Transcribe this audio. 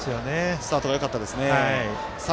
スタートがよかったですね。